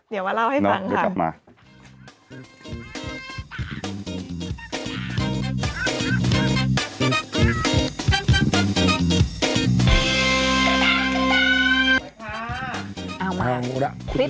เดี๋ยวมาเล่าให้ฟังค่ะ